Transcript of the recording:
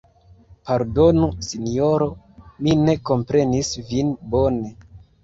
Pardonu, Sinjoro, mi ne komprenis vin bone.